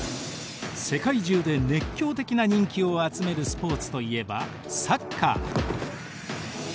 世界中で熱狂的な人気を集めるスポーツといえばサッカー。